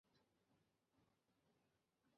这些成像设备使介入微创手术成为可能。